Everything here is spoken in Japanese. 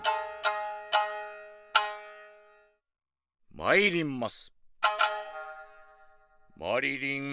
まいります。